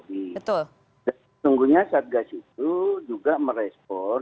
sesungguhnya satgas itu juga merespon